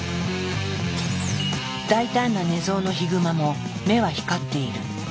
大胆な寝相のヒグマも目は光っている。